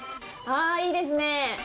あいいですね。